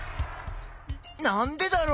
なんでだろう？